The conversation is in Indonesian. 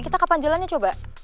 kita kapan jalannya coba